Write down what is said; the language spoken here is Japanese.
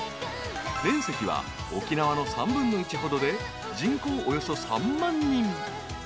［面積は沖縄の３分の１ほどで人口はおよそ３万人］